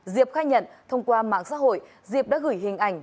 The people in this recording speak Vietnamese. diệp khai nhận thông qua mạng xã hội diệp đã gửi hình ảnh